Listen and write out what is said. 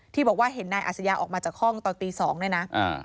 ที่บอกว่าเห็นนายอัสยาออกมาจากห้องตอนตี๒นะ